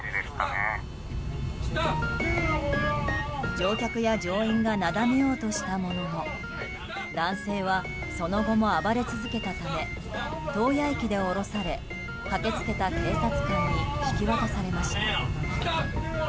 乗客や乗員がなだめようとしたものの男性は、その後も暴れ続けたため洞爺駅で降ろされ、駆け付けた警察官に引き渡されました。